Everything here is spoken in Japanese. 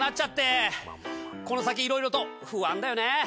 この先いろいろと不安だよね。